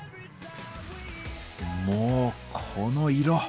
もうこの色！